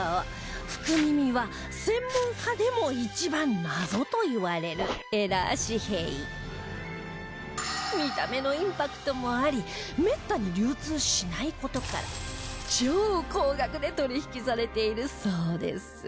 福耳は専門家でも一番謎といわれるエラー紙幣見た目のインパクトもありめったに流通しない事から超高額で取引されているそうです